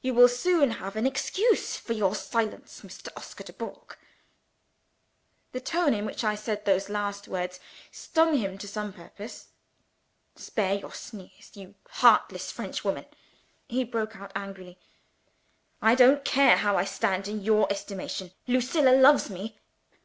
You will soon have an excuse for your silence, Mr. Oscar Dubourg!" The tone in which I said those last words stung him to some purpose. "Spare your sneers, you heartless Frenchwoman!" he broke out angrily. "I don't care how I stand in your estimation. Lucilla loves me.